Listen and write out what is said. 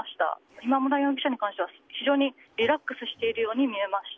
今村容疑者に関しては非常にリラックスしているように見えました。